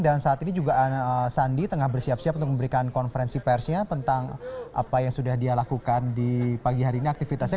dan saat ini juga sandi tengah bersiap siap untuk memberikan konferensi persnya tentang apa yang sudah dia lakukan di pagi hari ini aktivitasnya